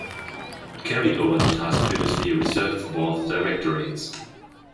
It carried over the tasks previously reserved for both directorates.